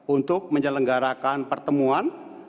untuk menyelenggarakan pertemuan